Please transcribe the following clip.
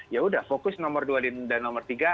yaudah fokus nomor dua dan nomor tiga